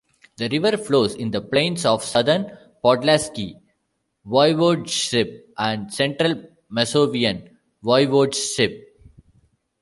The river flows in the plains of Southern Podlaskie Voivodeship and central Masovian Voivodeship.